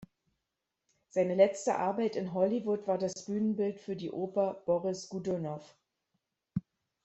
Seine letzte Arbeit in Hollywood war das Bühnenbild für die Oper "Boris Godunow".